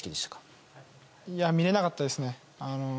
いや、見られなかったですね。